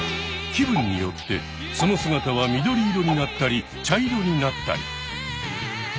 気分によってその姿は緑色になったり茶色になったり。